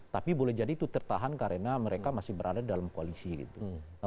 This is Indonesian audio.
tapi boleh jadi itu tertahan karena mereka masih berada dalam koalisi gitu